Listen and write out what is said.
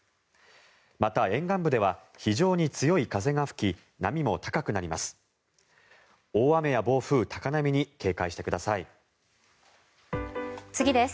また、沿岸部では非常に強い風が吹き波も高くなります。